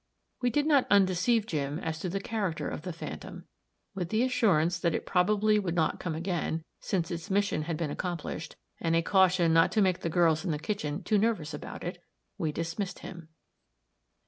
We did not undeceive Jim as to the character of the phantom. With the assurance that it probably would not come again, since its mission had been accomplished, and a caution not to make the girls in the kitchen too nervous about it, we dismissed him.